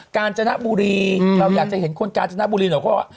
การจนบุรีเราอยากจะเห็นคนการจนบุรีหรอกก็